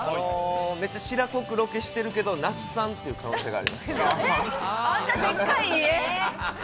めっちゃ素人っぽくロケしてるけれども、那須さんという可能性があります。